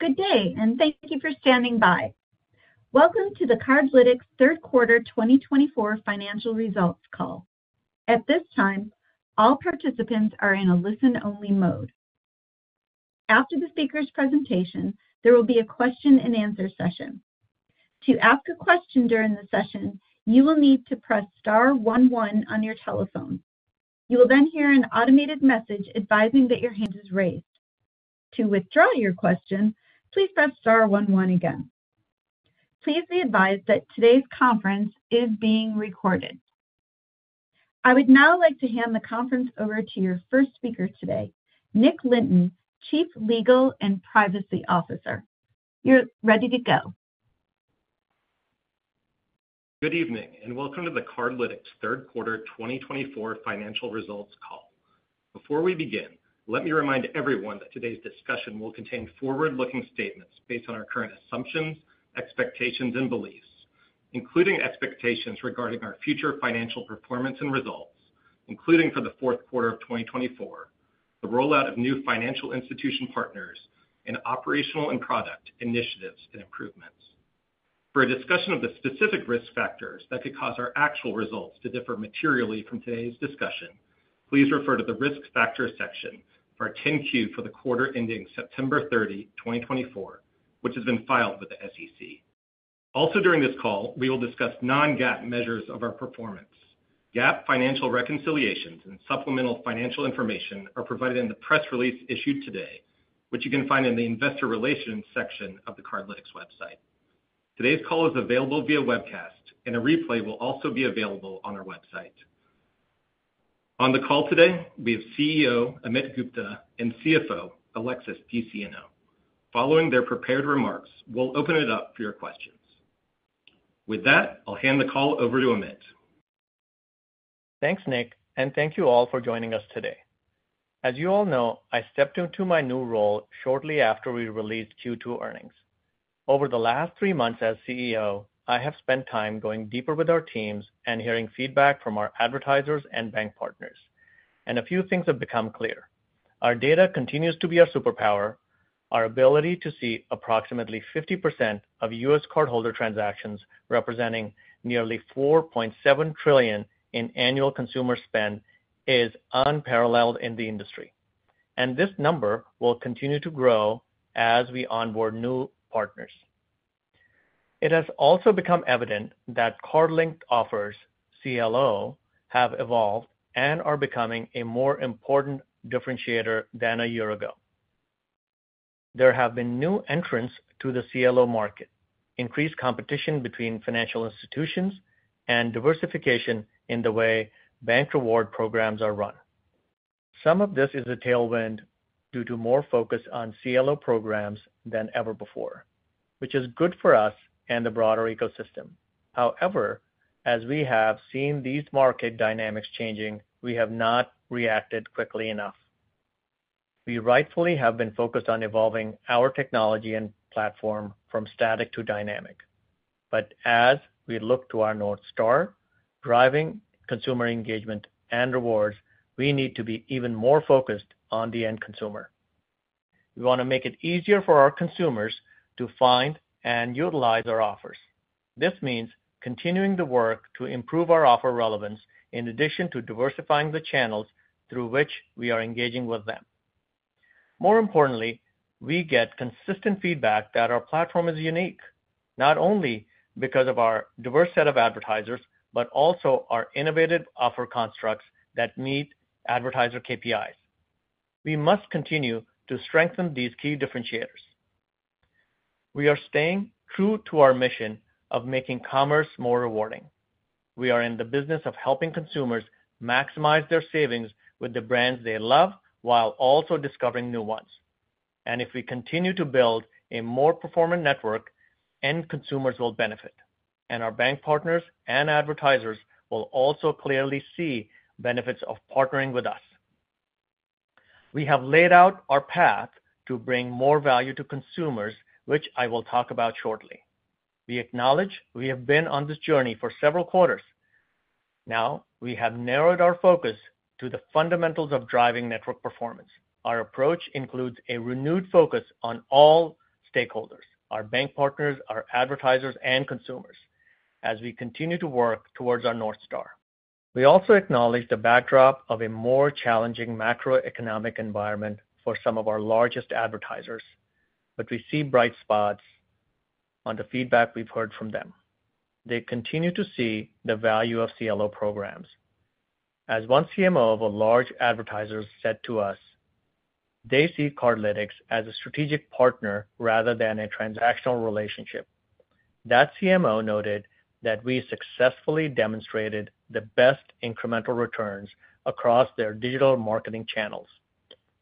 Good day, and thank you for standing by. Welcome to the Cardlytics Q3 2024 Financial Results Call. At this time, all participants are in a listen-only mode. After the speaker's presentation, there will be a question-and-answer session. To ask a question during the session, you will need to press *11 on your telephone. You will then hear an automated message advising that your hand is raised. To withdraw your question, please press *11 again. Please be advised that today's conference is being recorded. I would now like to hand the conference over to your first speaker today, Nick Lynton, Chief Legal and Privacy Officer. You're ready to go. Good evening, and welcome to the Cardlytics Q3 2024 Financial Results Call. Before we begin, let me remind everyone that today's discussion will contain forward-looking statements based on our current assumptions, expectations, and beliefs, including expectations regarding our future financial performance and results, including for the Q4 of 2024, the rollout of new financial institution partners, and operational and product initiatives and improvements. For a discussion of the specific risk factors that could cause our actual results to differ materially from today's discussion, please refer to the Risk Factors section for our 10-Q for the quarter ending September 30, 2024, which has been filed with the SEC. Also, during this call, we will discuss non-GAAP measures of our performance. GAAP financial reconciliations and supplemental financial information are provided in the press release issued today, which you can find in the Investor Relations section of the Cardlytics website. Today's call is available via webcast, and a replay will also be available on our website. On the call today, we have CEO Amit Gupta and CFO Alexis DeSieno. Following their prepared remarks, we'll open it up for your questions. With that, I'll hand the call over to Amit. Thanks, Nick, and thank you all for joining us today. As you all know, I stepped into my new role shortly after we released Q2 earnings. Over the last three months as CEO, I have spent time going deeper with our teams and hearing feedback from our advertisers and bank partners, and a few things have become clear. Our data continues to be our superpower. Our ability to see approximately 50% of U.S. cardholder transactions representing nearly $4.7 trillion in annual consumer spend is unparalleled in the industry, and this number will continue to grow as we onboard new partners. It has also become evident that Cardlytics' offers, CLO, have evolved and are becoming a more important differentiator than a year ago. There have been new entrants to the CLO market, increased competition between financial institutions, and diversification in the way bank reward programs are run. Some of this is a tailwind due to more focus on CLO programs than ever before, which is good for us and the broader ecosystem. However, as we have seen these market dynamics changing, we have not reacted quickly enough. We rightfully have been focused on evolving our technology and platform from static to dynamic, but as we look to our North Star, driving consumer engagement and rewards, we need to be even more focused on the end consumer. We want to make it easier for our consumers to find and utilize our offers. This means continuing the work to improve our offer relevance in addition to diversifying the channels through which we are engaging with them. More importantly, we get consistent feedback that our platform is unique, not only because of our diverse set of advertisers, but also our innovative offer constructs that meet advertiser KPIs. We must continue to strengthen these key differentiators. We are staying true to our mission of making commerce more rewarding. We are in the business of helping consumers maximize their savings with the brands they love while also discovering new ones, and if we continue to build a more performant network, end consumers will benefit, and our bank partners and advertisers will also clearly see benefits of partnering with us. We have laid out our path to bring more value to consumers, which I will talk about shortly. We acknowledge we have been on this journey for several quarters. Now, we have narrowed our focus to the fundamentals of driving network performance. Our approach includes a renewed focus on all stakeholders: our bank partners, our advertisers, and consumers, as we continue to work towards our North Star. We also acknowledge the backdrop of a more challenging macroeconomic environment for some of our largest advertisers, but we see bright spots on the feedback we've heard from them. They continue to see the value of CLO programs. As one CMO of a large advertiser said to us, "They see Cardlytics as a strategic partner rather than a transactional relationship." That CMO noted that we successfully demonstrated the best incremental returns across their digital marketing channels.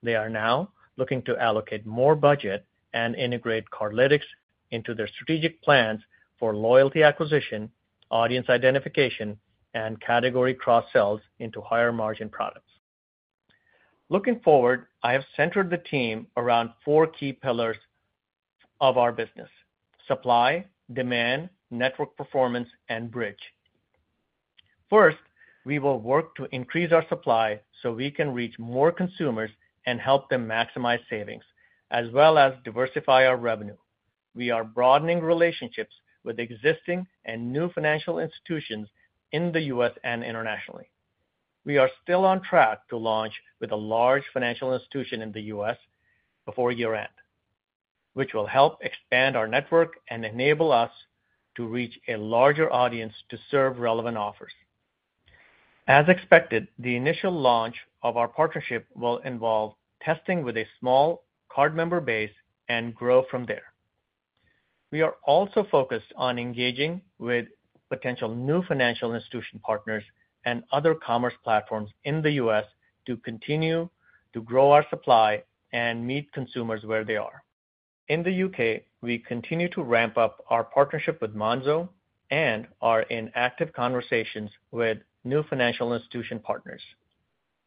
They are now looking to allocate more budget and integrate Cardlytics into their strategic plans for loyalty acquisition, audience identification, and category cross-sells into higher margin products. Looking forward, I have centered the team around four key pillars of our business: supply, demand, network performance, and Bridg. First, we will work to increase our supply so we can reach more consumers and help them maximize savings, as well as diversify our revenue. We are broadening relationships with existing and new financial institutions in the U.S. and internationally. We are still on track to launch with a large financial institution in the U.S. before year-end, which will help expand our network and enable us to reach a larger audience to serve relevant offers. As expected, the initial launch of our partnership will involve testing with a small card member base and grow from there. We are also focused on engaging with potential new financial institution partners and other commerce platforms in the U.S. to continue to grow our supply and meet consumers where they are. In the U.K., we continue to ramp up our partnership with Monzo and are in active conversations with new financial institution partners.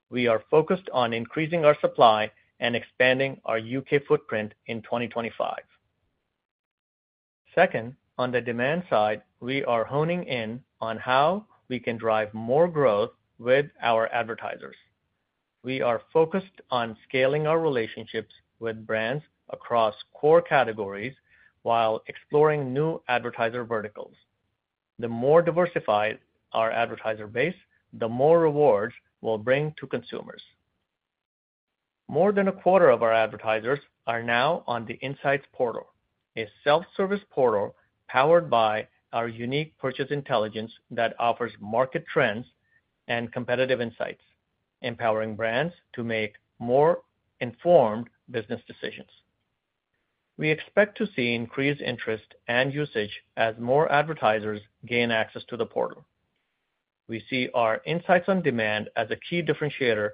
We are focused on increasing our supply and expanding our U.K. footprint in 2025. Second, on the demand side, we are honing in on how we can drive more growth with our advertisers. We are focused on scaling our relationships with brands across core categories while exploring new advertiser verticals. The more diversified our advertiser base, the more rewards we'll bring to consumers. More than a quarter of our advertisers are now on the Insights Portal, a self-service portal powered by our unique purchase intelligence that offers market trends and competitive insights, empowering brands to make more informed business decisions. We expect to see increased interest and usage as more advertisers gain access to the portal. We see our insights on demand as a key differentiator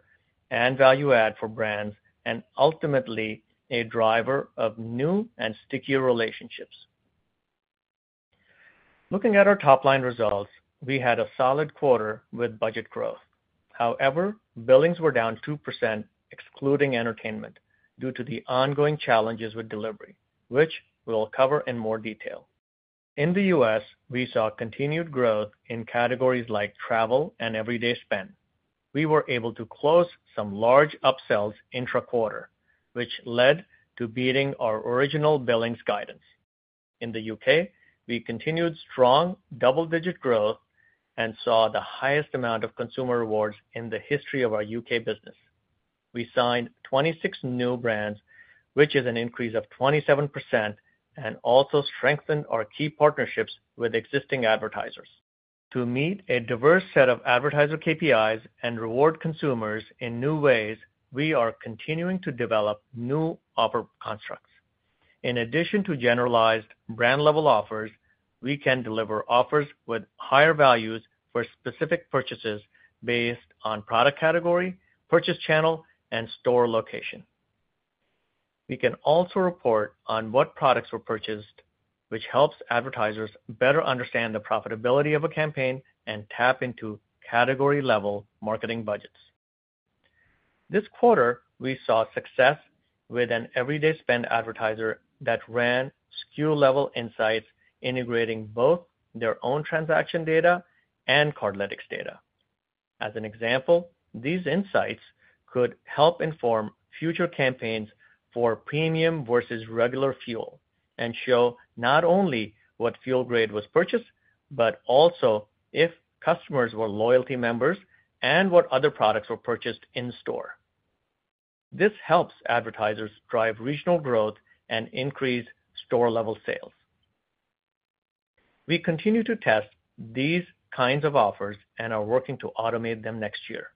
and value add for brands and ultimately a driver of new and stickier relationships. Looking at our top-line results, we had a solid quarter with budget growth. However, billings were down 2%, excluding Entertainment We can also report on what products were purchased, which helps advertisers better understand the profitability of a campaign and tap into category-level marketing budgets. This quarter, we saw success with an everyday spend advertiser that ran SKU-level insights integrating both their own transaction data and Cardlytics data. As an example, these insights could help inform future campaigns for premium versus regular fuel and show not only what fuel grade was purchased, but also if customers were loyalty members and what other products were purchased in store. This helps advertisers drive regional growth and increase store-level sales. We continue to test these kinds of offers and are working to automate them next year.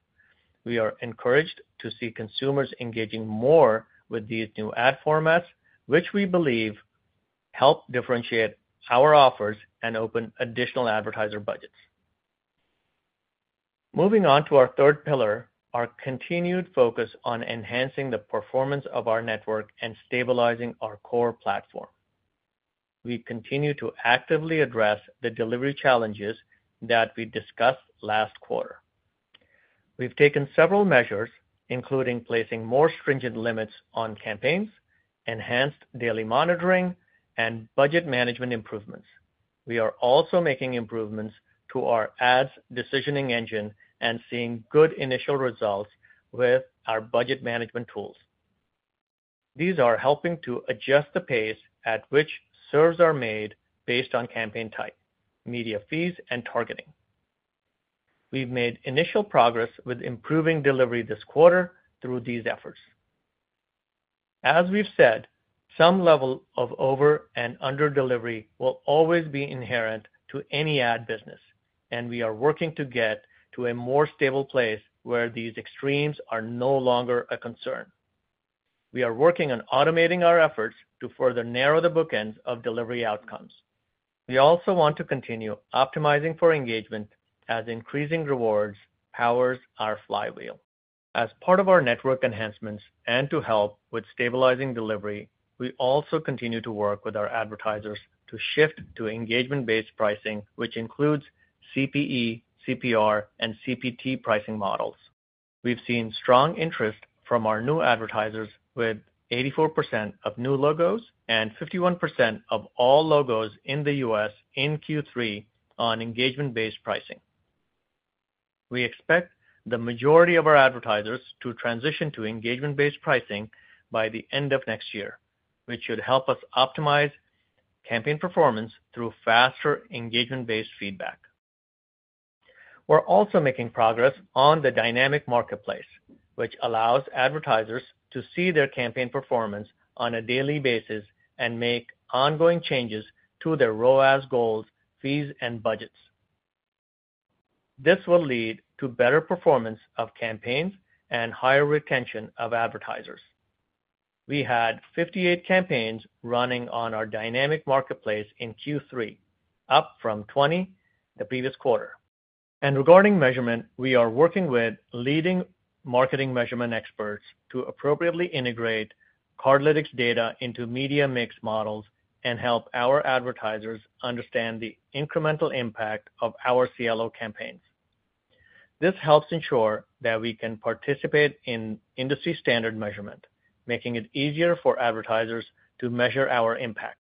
We are encouraged to see consumers engaging more with these new ad formats, which we believe help differentiate our offers and open additional advertiser budgets. Moving on to our third pillar, our continued focus on enhancing the performance of our network and stabilizing our core platform. We continue to actively address the delivery challenges that we discussed last quarter. We've taken several measures, including placing more stringent limits on campaigns, enhanced daily monitoring, and budget management improvements. We are also making improvements to our ads decisioning engine and seeing good initial results with our budget management tools. These are helping to adjust the pace at which serves are made based on campaign type, media fees, and targeting. We've made initial progress with improving delivery this quarter through these efforts. As we've said, some level of over- and under-delivery will always be inherent to any ad business, and we are working to get to a more stable place where these extremes are no longer a concern. We are working on automating our efforts to further narrow the bookends of delivery outcomes. We also want to continue optimizing for engagement as increasing rewards powers our flywheel. As part of our network enhancements and to help with stabilizing delivery, we also continue to work with our advertisers to shift to engagement-based pricing, which includes CPE, CPR, and CPT pricing models. We've seen strong interest from our new advertisers with 84% of new logos and 51% of all logos in the U.S. in Q3 on engagement-based pricing. We expect the majority of our advertisers to transition to engagement-based pricing by the end of next year, which should help us optimize campaign performance through faster engagement-based feedback. We're also making progress on the dynamic marketplace, which allows advertisers to see their campaign performance on a daily basis and make ongoing changes to their ROAS goals, fees, and budgets. This will lead to better performance of campaigns and higher retention of advertisers. We had 58 campaigns running on our Dynamic Marketplace in Q3, up from 20 the previous quarter, and regarding measurement, we are working with leading marketing measurement experts to appropriately integrate Cardlytics data into media mix models and help our advertisers understand the incremental impact of our CLO campaigns. This helps ensure that we can participate in industry-standard measurement, making it easier for advertisers to measure our impact.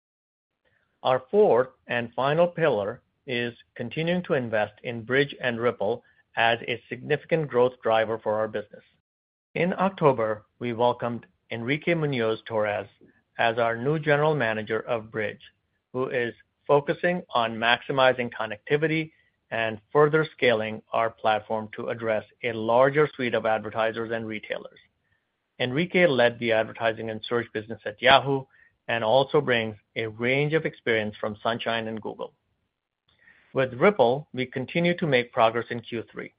Our fourth and final pillar is continuing to invest in Bridg and Ripple as a significant growth driver for our business. In October, we welcomed Enrique Muñoz-Torres as our new general manager of Bridg, who is focusing on maximizing connectivity and further scaling our platform to address a larger suite of advertisers and retailers. Enrique led the advertising and search business at Yahoo and also brings a range of experience from Sunshine and Google. With Ripple, we continue to make progress in Q3.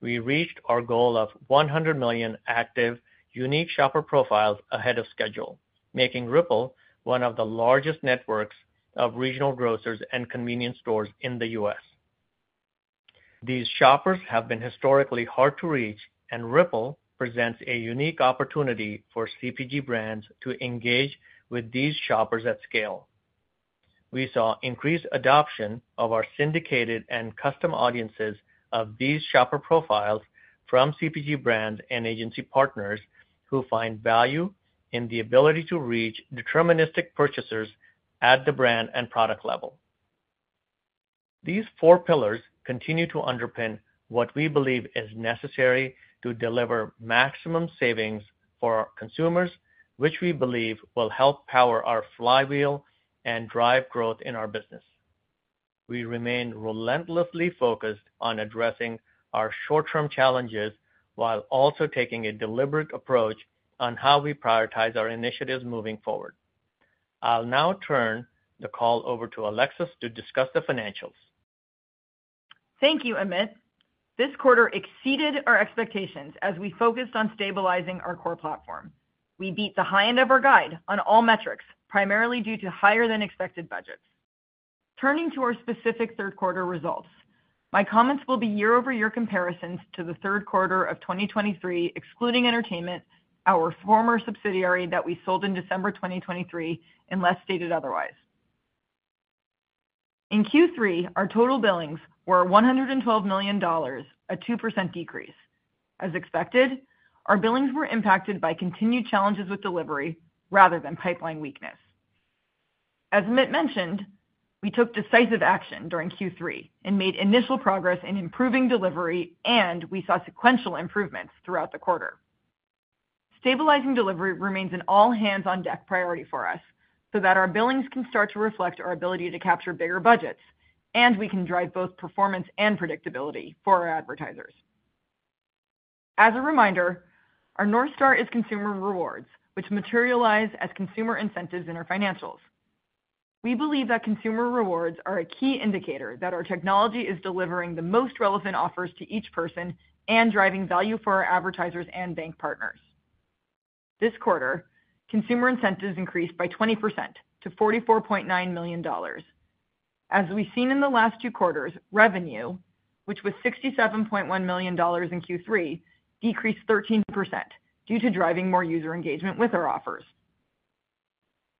We reached our goal of 100 million active, unique shopper profiles ahead of schedule, making Ripple one of the largest networks of regional grocers and convenience stores in the U.S. These shoppers have been historically hard to reach, and Ripple presents a unique opportunity for CPG brands to engage with these shoppers at scale. We saw increased adoption of our syndicated and custom audiences of these shopper profiles from CPG brands and agency partners who find value in the ability to reach deterministic purchasers at the brand and product level. These four pillars continue to underpin what we believe is necessary to deliver maximum savings for consumers, which we believe will help power our flywheel and drive growth in our business. We remain relentlessly focused on addressing our short-term challenges while also taking a deliberate approach on how we prioritize our initiatives moving forward. I'll now turn the call over to Alexis to discuss the financials. Thank you, Amit. This quarter exceeded our expectations as we focused on stabilizing our core platform. We beat the high end of our guide on all metrics, primarily due to higher-than-expected budgets. Turning to our specific Q3 results, my comments will be year-over-year comparisons to the Q3 of 2023, excluding Entertainment, our former subsidiary that we sold in December 2023, unless stated otherwise. In Q3, our total billings were $112 million, a 2% decrease. As expected, our billings were impacted by continued challenges with delivery rather than pipeline weakness. As Amit mentioned, we took decisive action during Q3 and made initial progress in improving delivery, and we saw sequential improvements throughout the quarter. Stabilizing delivery remains an all-hands-on-deck priority for us so that our billings can start to reflect our ability to capture bigger budgets, and we can drive both performance and predictability for our advertisers. As a reminder, our North Star is consumer rewards, which materialize as consumer incentives in our financials. We believe that consumer rewards are a key indicator that our technology is delivering the most relevant offers to each person and driving value for our advertisers and bank partners. This quarter, consumer incentives increased by 20% to $44.9 million. As we've seen in the last Q2 revenue, which was $67.1 million in Q3, decreased 13% due to driving more user engagement with our offers.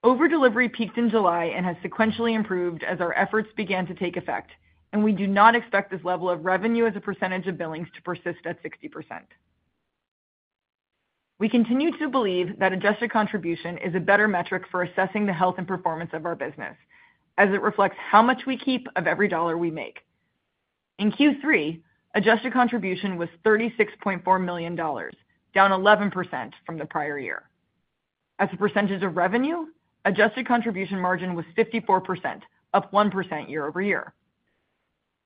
Over-delivery peaked in July and has sequentially improved as our efforts began to take effect, and we do not expect this level of revenue as a percentage of billings to persist at 60%. We continue to believe that adjusted contribution is a better metric for assessing the health and performance of our business, as it reflects how much we keep of every dollar we make. In Q3, adjusted contribution was $36.4 million, down 11% from the prior year. As a percentage of revenue, adjusted contribution margin was 54%, up 1% year-over-year.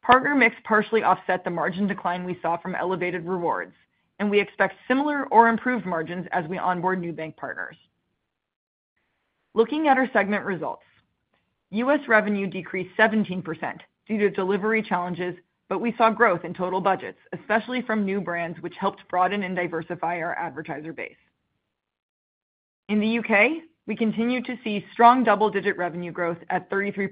Partner mix partially offset the margin decline we saw from elevated rewards, and we expect similar or improved margins as we onboard new bank partners. Looking at our segment results, U.S. revenue decreased 17% due to delivery challenges, but we saw growth in total budgets, especially from new brands, which helped broaden and diversify our advertiser base. In the U.K., we continue to see strong double-digit revenue growth at 33%,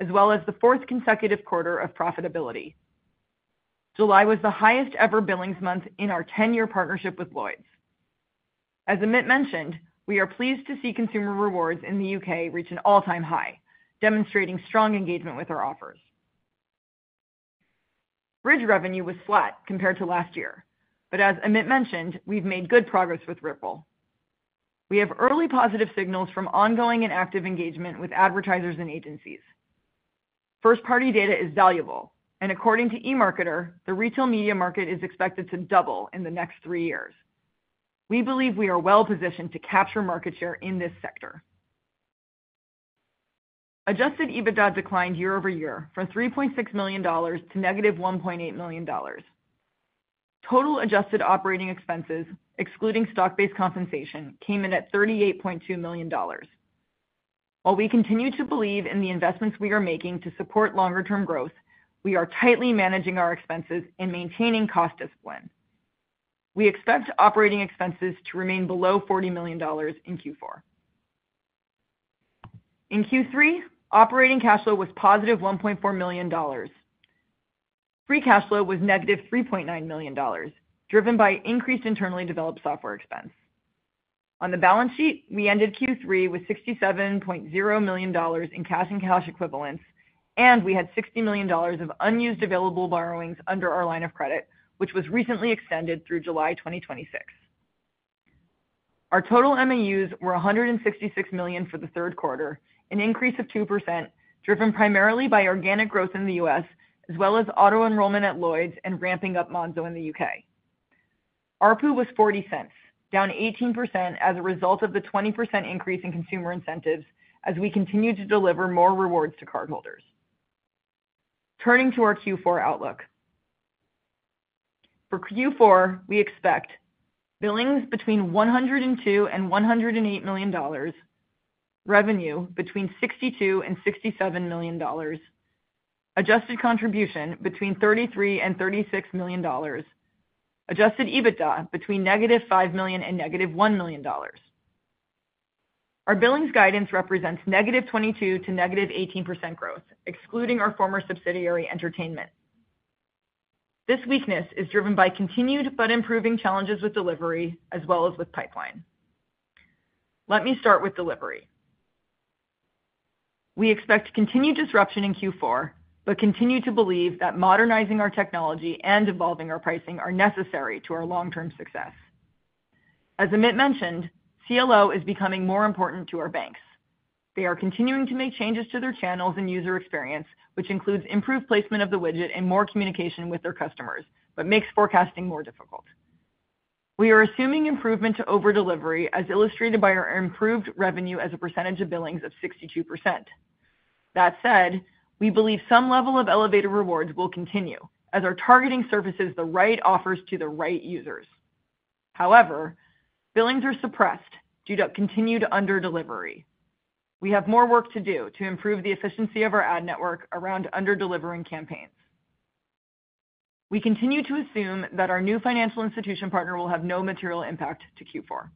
as well as the fourth consecutive quarter of profitability. July was the highest-ever billings month in our 10-year partnership with Lloyds. As Amit mentioned, we are pleased to see consumer rewards in the U.K. reach an all-time high, demonstrating strong engagement with our offers. Bridg revenue was flat compared to last year, but as Amit mentioned, we've made good progress with Ripple. We have early positive signals from ongoing and active engagement with advertisers and agencies. First-party data is valuable, and according to eMarketer, the retail media market is expected to double in the next three years. We believe we are well-positioned to capture market share in this sector. Adjusted EBITDA declined year-over-year from $3.6 million to negative $1.8 million. Total adjusted operating expenses, excluding stock-based compensation, came in at $38.2 million. While we continue to believe in the investments we are making to support longer-term growth, we are tightly managing our expenses and maintaining cost discipline. We expect operating expenses to remain below $40 million in Q4. In Q3, operating cash flow was positive $1.4 million. Free cash flow was negative $3.9 million, driven by increased internally developed software expense. On the balance sheet, we ended Q3 with $67.0 million in cash and cash equivalents, and we had $60 million of unused available borrowings under our line of credit, which was recently extended through July 2026. Our total MAUs were 166 million for the Q3, an increase of 2%, driven primarily by organic growth in the U.S., as well as auto enrollment at Lloyds and ramping up Monzo in the U.K. ARPU was $0.40, down 18% as a result of the 20% increase in consumer incentives as we continue to deliver more rewards to cardholders. Turning to our Q4 outlook. For Q4, we expect billings between $102 and $108 million, revenue between $62 and $67 million, adjusted contribution between $33 and $36 million, adjusted EBITDA between negative $5 million and negative $1 million. Our billings guidance represents negative 22% to negative 18% growth, excluding our former subsidiary Entertainment. This weakness is driven by continued but improving challenges with delivery as well as with pipeline. Let me start with delivery. We expect continued disruption in Q4, but continue to believe that modernizing our technology and evolving our pricing are necessary to our long-term success. As Amit mentioned, CLO is becoming more important to our banks. They are continuing to make changes to their channels and user experience, which includes improved placement of the widget and more communication with their customers, but makes forecasting more difficult. We are assuming improvement to over-delivery, as illustrated by our improved revenue as a percentage of billings of 62%. That said, we believe some level of elevated rewards will continue, as our targeting surfaces the right offers to the right users. However, billings are suppressed due to continued under-delivery. We have more work to do to improve the efficiency of our ad network around under-delivering campaigns. We continue to assume that our new financial institution partner will have no material impact to Q4.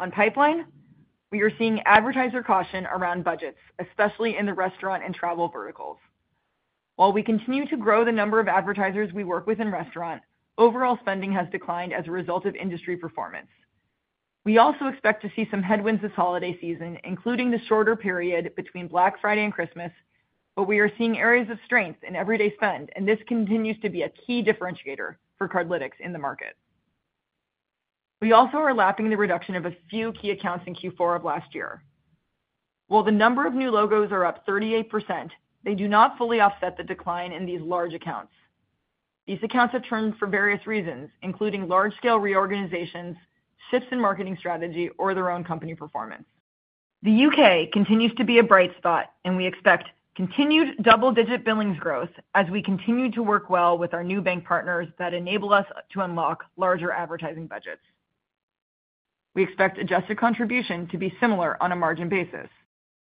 On pipeline, we are seeing advertiser caution around budgets, especially in the restaurant and travel verticals. While we continue to grow the number of advertisers we work with in restaurant, overall spending has declined as a result of industry performance. We also expect to see some headwinds this holiday season, including the shorter period between Black Friday and Christmas, but we are seeing areas of strength in everyday spend, and this continues to be a key differentiator for Cardlytics in the market. We also are lapping the reduction of a few key accounts in Q4 of last year. While the number of new logos is up 38%, they do not fully offset the decline in these large accounts. These accounts have turned for various reasons, including large-scale reorganizations, shifts in marketing strategy, or their own company performance. The U.K. continues to be a bright spot, and we expect continued double-digit billings growth as we continue to work well with our new bank partners that enable us to unlock larger advertising budgets. We expect adjusted contribution to be similar on a margin basis.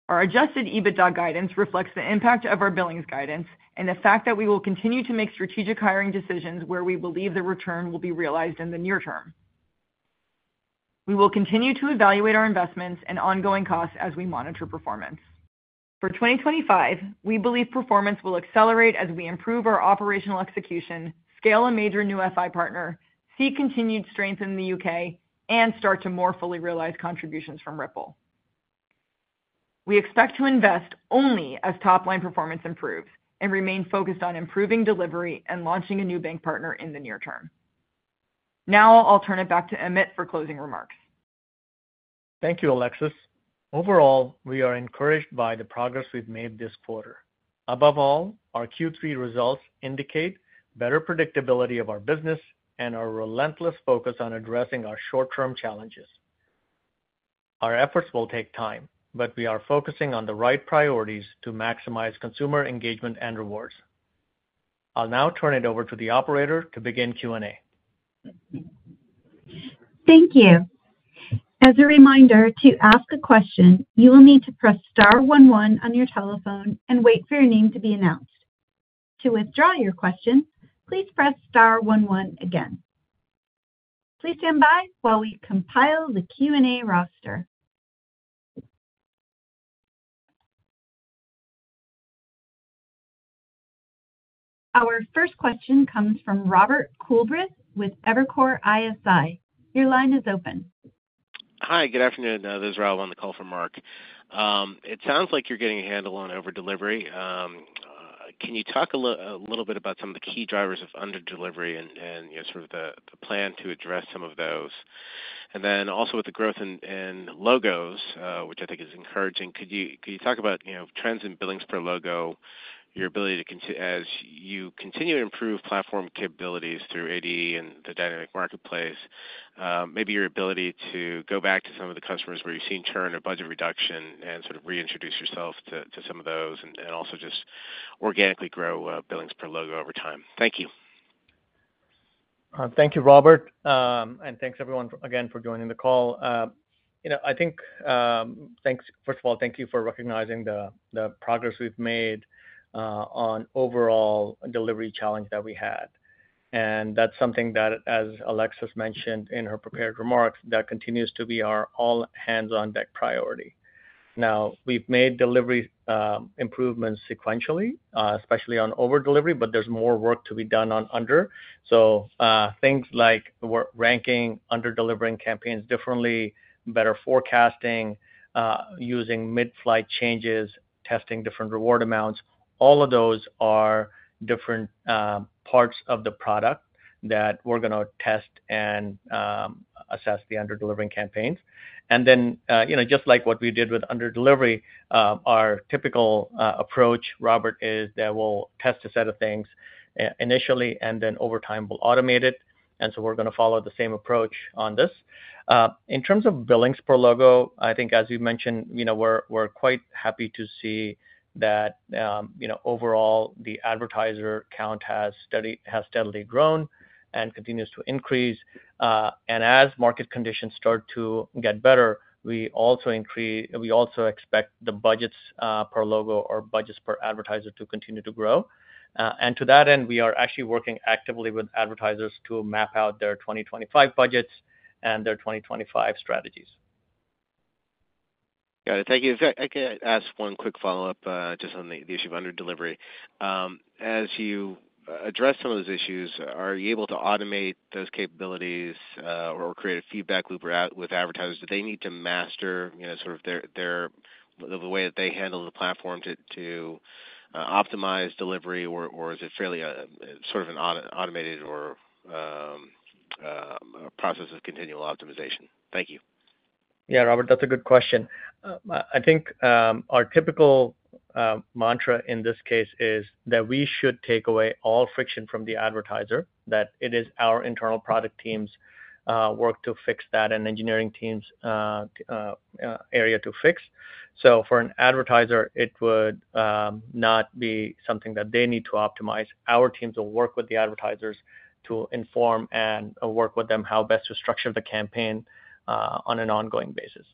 Our Adjusted EBITDA guidance reflects the impact of our billings guidance and the fact that we will continue to make strategic hiring decisions where we believe the return will be realized in the near term. We will continue to evaluate our investments and ongoing costs as we monitor performance. For 2025, we believe performance will accelerate as we improve our operational execution, scale a major new FI partner, see continued strength in the U.K., and start to more fully realize contributions from Ripple. We expect to invest only as top-line performance improves and remain focused on improving delivery and launching a new bank partner in the near term. Now I'll turn it back to Amit for closing remarks. Thank you, Alexis. Overall, we are encouraged by the progress we've made this quarter. Above all, our Q3 results indicate better predictability of our business and our relentless focus on addressing our short-term challenges. Our efforts will take time, but we are focusing on the right priorities to maximize consumer engagement and rewards. I'll now turn it over to the operator to begin Q&A. Thank you. As a reminder, to ask a question, you will need to press star 11 on your telephone and wait for your name to be announced. To withdraw your question, please press star 11 again. Please stand by while we compile the Q&A roster. Our first question comes from Robert Coolbrith with Evercore ISI. Your line is open. Hi, good afternoon. This is Rob on the call for Mark. It sounds like you're getting a handle on over-delivery. Can you talk a little bit about some of the key drivers of under-delivery and sort of the plan to address some of those? And then also with the growth in logos, which I think is encouraging, could you talk about trends in billings per logo, your ability to, as you continue to improve platform capabilities through ADE and the dynamic marketplace, maybe your ability to go back to some of the customers where you've seen churn or budget reduction and sort of reintroduce yourself to some of those and also just organically grow billings per logo over time? Thank you. Thank you, Robert, and thanks everyone again for joining the call. I think, first of all, thank you for recognizing the progress we've made on overall delivery challenge that we had. And that's something that, as Alexis mentioned in her prepared remarks, that continues to be our all-hands-on-deck priority. Now, we've made delivery improvements sequentially, especially on over-delivery, but there's more work to be done on under. So things like ranking under-delivering campaigns differently, better forecasting, using mid-flight changes, testing different reward amounts, all of those are different parts of the product that we're going to test and assess the under-delivering campaigns. And then, just like what we did with under-delivery, our typical approach, Robert, is that we'll test a set of things initially and then over time we'll automate it. And so we're going to follow the same approach on this. In terms of billings per logo, I think, as you mentioned, we're quite happy to see that overall the advertiser count has steadily grown and continues to increase. And as market conditions start to get better, we also expect the budgets per logo or budgets per advertiser to continue to grow. And to that end, we are actually working actively with advertisers to map out their 2025 budgets and their 2025 strategies. Got it. Thank you. If I could ask one quick follow-up just on the issue of under-delivery. As you address some of those issues, are you able to automate those capabilities or create a feedback loop with advertisers? Do they need to master sort of the way that they handle the platform to optimize delivery, or is it fairly sort of an automated process of continual optimization? Thank you. Yeah, Robert, that's a good question. I think our typical mantra in this case is that we should take away all friction from the advertiser, that it is our internal product teams' work to fix that and engineering teams' area to fix. So for an advertiser, it would not be something that they need to optimize. Our teams will work with the advertisers to inform and work with them how best to structure the campaign on an ongoing basis.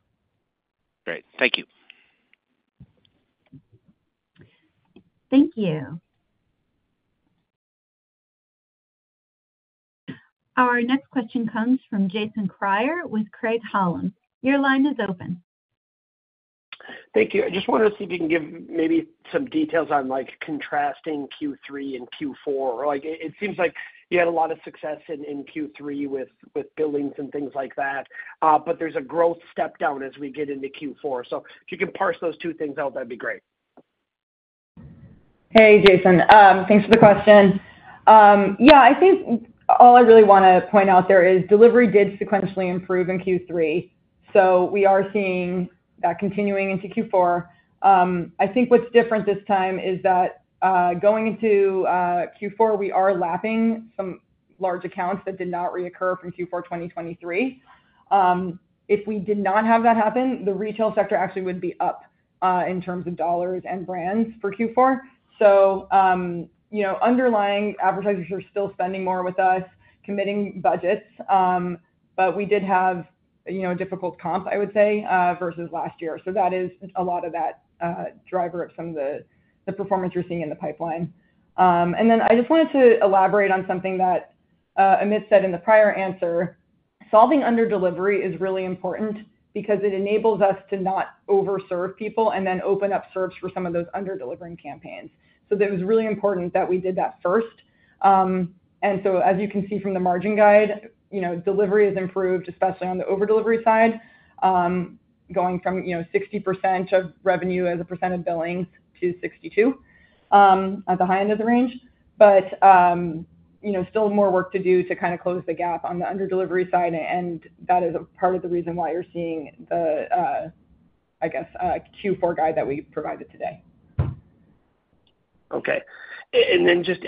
Great. Thank you. Thank you. Our next question comes from Jason Kreyer with Craig-Hallum. Your line is open. Thank you. I just wanted to see if you can give maybe some details on contrasting Q3 and Q4. It seems like you had a lot of success in Q3 with billings and things like that, but there's a growth step down as we get into Q4. So if you can parse those two things out, that'd be great. Hey, Jason. Thanks for the question. Yeah, I think all I really want to point out there is delivery did sequentially improve in Q3. So we are seeing that continuing into Q4. I think what's different this time is that going into Q4, we are lapping some large accounts that did not reoccur from Q4 2023. If we did not have that happen, the retail sector actually would be up in terms of dollars and brands for Q4. So underlying advertisers are still spending more with us, committing budgets, but we did have a difficult comp, I would say, versus last year. So that is a lot of that driver of some of the performance you're seeing in the pipeline. And then I just wanted to elaborate on something that Amit said in the prior answer. Solving under-delivery is really important because it enables us to not overserve people and then open up serves for some of those under-delivering campaigns. So it was really important that we did that first. As you can see from the margin guide, delivery has improved, especially on the over-delivery side, going from 60% of revenue as a % of billings to 62% at the high end of the range, but still more work to do to kind of close the gap on the under-delivery side. That is part of the reason why you're seeing the, I guess, Q4 guide that we provided today. Okay. Then just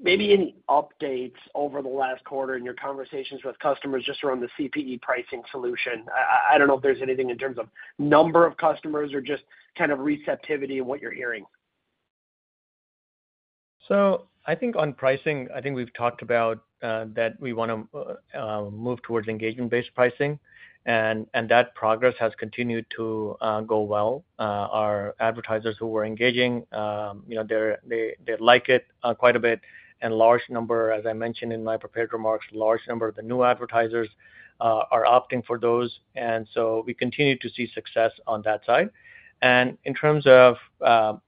maybe any updates over the last quarter in your conversations with customers just around the CPE pricing solution? I don't know if there's anything in terms of number of customers or just kind of receptivity of what you're hearing. I think on pricing, I think we've talked about that we want to move towards engagement-based pricing, and that progress has continued to go well. Our advertisers who were engaging, they like it quite a bit. And large number, as I mentioned in my prepared remarks, large number of the new advertisers are opting for those. And so we continue to see success on that side. And in terms of our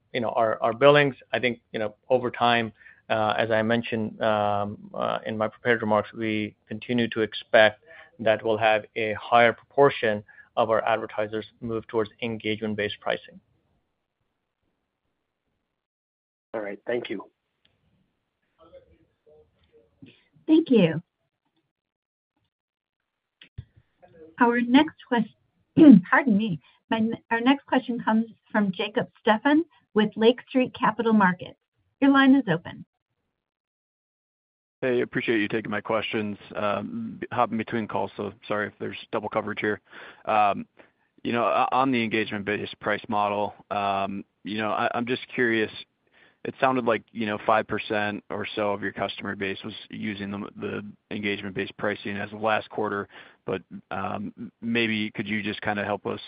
billings, I think over time, as I mentioned in my prepared remarks, we continue to expect that we'll have a higher proportion of our advertisers move towards engagement-based pricing. All right. Thank you. Thank you. Our next question, pardon me, our next question comes from Jacob Stephan with Lake Street Capital Markets. Your line is open. Hey, I appreciate you taking my questions. Hopping between calls, so sorry if there's double coverage here. On the engagement-based price model, I'm just curious. It sounded like 5% or so of your customer base was using the engagement-based pricing as the last quarter, but maybe could you just kind of help us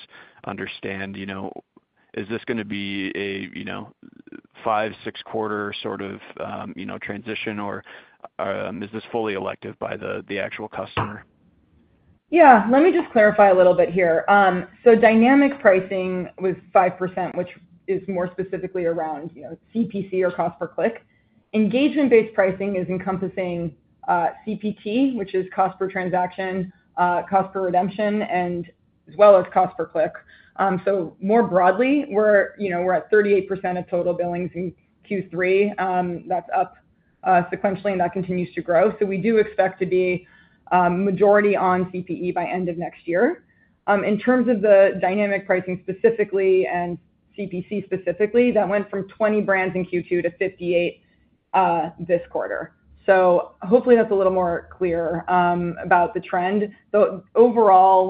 understand, is this going to be a five, six-quarter sort of transition, or is this fully elective by the actual customer? Yeah. Let me just clarify a little bit here. So dynamic pricing was 5%, which is more specifically around CPC or cost per click. Engagement-based pricing is encompassing CPT, which is cost per transaction, cost per redemption, as well as cost per click. So more broadly, we're at 38% of total billings in Q3. That's up sequentially, and that continues to grow. So we do expect to be majority on CPE by end of next year. In terms of the dynamic pricing specifically and CPC specifically, that went from 20 brands in Q2 to 58 this quarter. So hopefully that's a little more clear about the trend. Overall,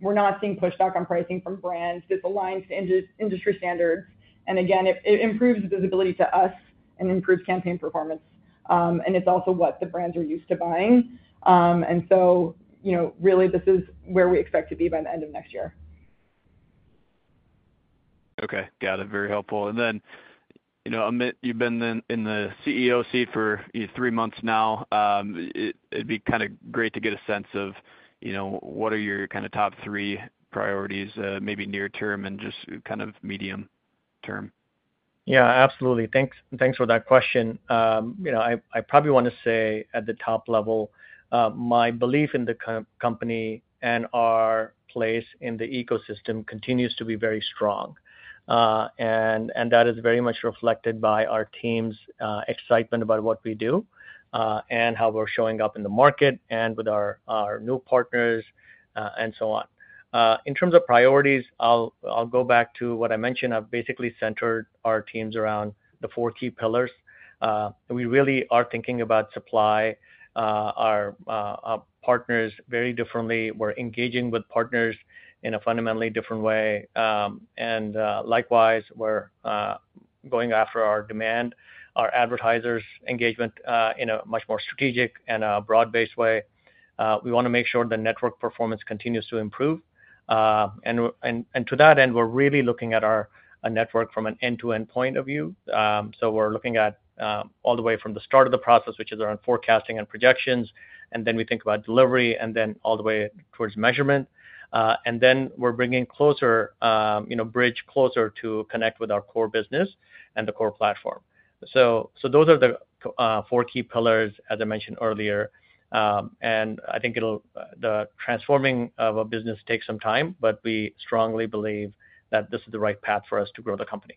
we're not seeing pushback on pricing from brands. It's aligned to industry standards. And again, it improves visibility to us and improves campaign performance. And it's also what the brands are used to buying. And so really, this is where we expect to be by the end of next year. Okay. Got it. Very helpful. And then, Amit, you've been in the CEO for three months now. It'd be kind of great to get a sense of what are your kind of top three priorities, maybe near-term and just kind of medium-term? Yeah, absolutely. Thanks for that question. I probably want to say at the top level, my belief in the company and our place in the ecosystem continues to be very strong. That is very much reflected by our team's excitement about what we do and how we're showing up in the market and with our new partners and so on. In terms of priorities, I'll go back to what I mentioned. I've basically centered our teams around the four key pillars. We really are thinking about supply, our partners very differently. We're engaging with partners in a fundamentally different way. And likewise, we're going after our demand, our advertisers' engagement in a much more strategic and a broad-based way. We want to make sure the network performance continues to improve. And to that end, we're really looking at our network from an end-to-end point of view. We're looking at all the way from the start of the process, which is around forecasting and projections, and then we think about delivery, and then all the way towards measurement. Then we're bringing Bridg closer to connect with our core business and the core platform. So those are the four key pillars, as I mentioned earlier. And I think the transforming of a business takes some time, but we strongly believe that this is the right path for us to grow the company.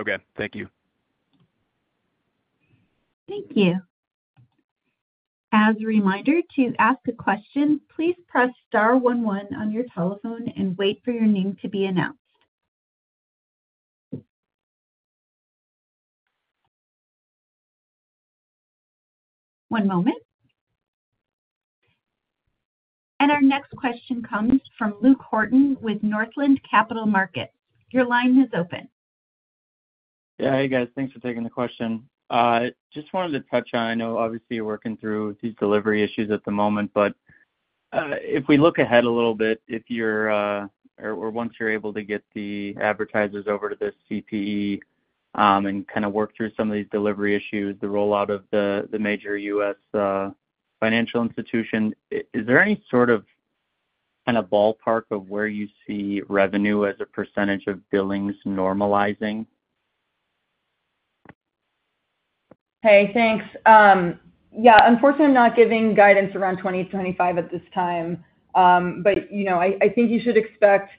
Okay. Thank you. Thank you. As a reminder to ask a question, please press star 11 on your telephone and wait for your name to be announced. One moment. And our next question comes from Luke Holbrook with Northland Capital Markets. Your line is open. Yeah. Hey, guys. Thanks for taking the question. Just wanted to touch on. I know obviously you're working through these delivery issues at the moment, but if we look ahead a little bit, if you're or once you're able to get the advertisers over to the CPE and kind of work through some of these delivery issues, the rollout of the major U.S. financial institution, is there any sort of kind of ballpark of where you see revenue as a percentage of billings normalizing? Hey, thanks. Yeah. Unfortunately, I'm not giving guidance around 2025 at this time, but I think you should expect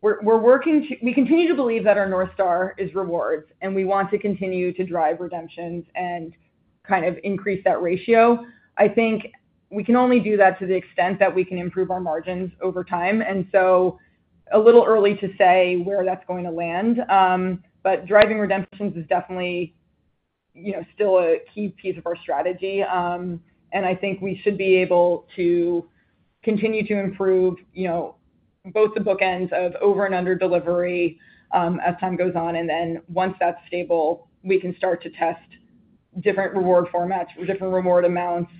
we're working to continue to believe that our North Star is rewards, and we want to continue to drive redemptions and kind of increase that ratio. I think we can only do that to the extent that we can improve our margins over time. It's a little early to say where that's going to land, but driving redemptions is definitely still a key piece of our strategy. I think we should be able to continue to improve both the bookends of over and under delivery as time goes on. Then once that's stable, we can start to test different reward formats or different reward amounts,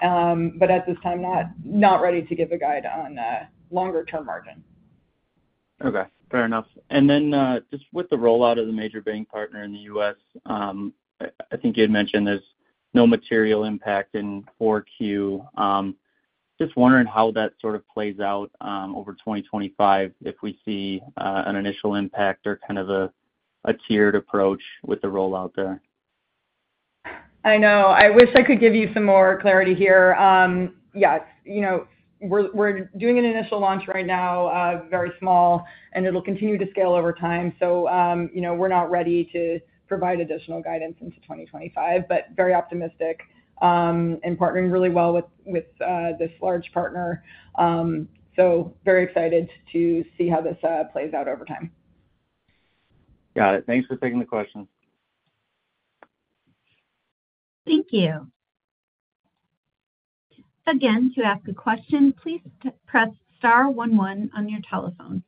but at this time, not ready to give a guide on longer-term margin. Okay. Fair enough. Then just with the rollout of the major bank partner in the U.S., I think you had mentioned there's no material impact in 4Q. Just wondering how that sort of plays out over 2025 if we see an initial impact or kind of a tiered approach with the rollout there. I know. I wish I could give you some more clarity here. Yes. We're doing an initial launch right now, very small, and it'll continue to scale over time. So we're not ready to provide additional guidance into 2025, but very optimistic and partnering really well with this large partner. So very excited to see how this plays out over time. Got it. Thanks for taking the question. Thank you. Again, to ask a question, please press star 11 on your telephone.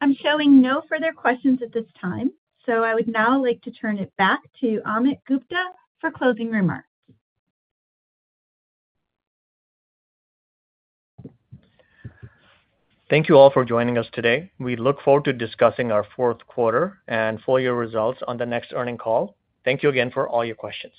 I'm showing no further questions at this time. So I would now like to turn it back to Amit Gupta for closing remarks. Thank you all for joining us today. We look forward to discussing our Q4 and full-year results on the next earnings call. Thank you again for all your questions.